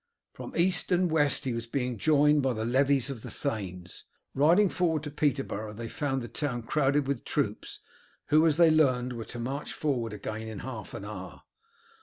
From east and west he was being joined by the levies of the thanes. Riding forward to Peterborough they found the town crowded with troops, who, as they learned, were to march forward again in half an hour.